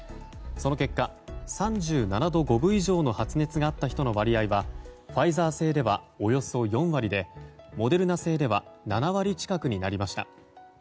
その結果、３７度５分以上の発熱があった人の割合はファイザー製ではおよそ４割でモデルナ製では７割近くになりました。